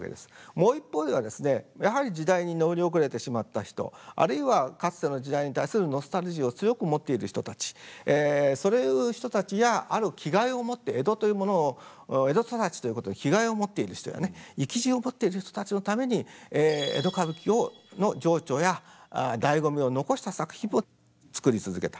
もう一方ではですねやはり時代に乗り遅れてしまった人あるいはかつての時代に対するノスタルジーを強く持っている人たちそういう人たちやある気概を持って江戸というものを江戸育ちということで気概を持っている人やね意気地を持っている人たちのために江戸歌舞伎の情緒や醍醐味を残した作品を作り続けた。